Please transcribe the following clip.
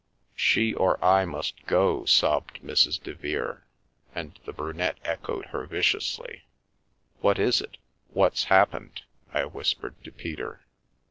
She or I must go !" sobbed Mrs. Devere, and the Brunette echoed her viciously. " What is it ? What's happened ?" I whispered to Peter.